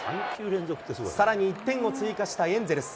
さらに１点を追加したエンゼルス。